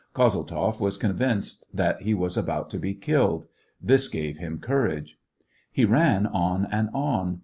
Kozeltzoff was convinced that he was about to be killed ; this gave him courage. He ran on and on.